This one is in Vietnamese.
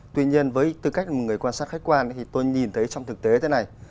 tuy nhiên với tư cách một người quan sát khách quan thì tôi nhìn thấy trong thực tế thế này